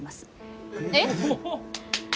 えっ！？